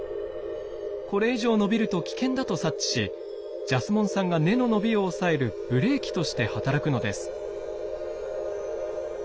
これ以上伸びると危険だと察知しジャスモン酸が根の伸びを抑えるブレーキとして働くのです。